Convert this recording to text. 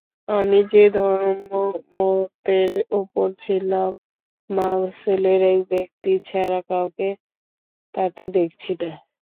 আমি যে ধর্ম মতের উপর ছিলাম মাওসেলের এক ব্যক্তি ছাড়া কাউকে তাতে দেখছি না।